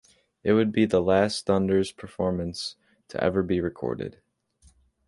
It would be the last Thunders performance to ever be recorded.